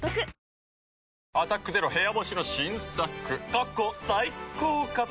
過去最高かと。